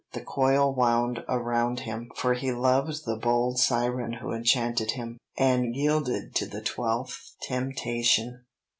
The coil wound around him, for he loved the bold siren who enchanted him, and yielded to the twelfth temptation.